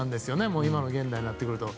もう、現代になってくると。